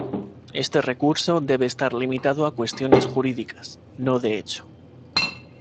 Este recurso debe estar limitado a cuestiones jurídicas, no de hecho.